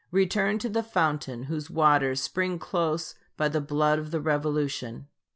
Return to the fountain whose waters spring close by the blood of the revolution.